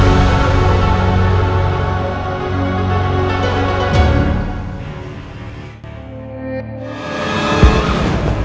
sebagai anak siluman